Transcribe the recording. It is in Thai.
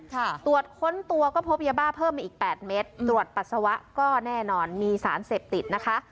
ตรวจค้นตัวก็พบยาบ้าเพิ่มมาอีกแปดเม็ดตรวจปัสสาวะก็แน่นอนมีสารเสพติดนะคะ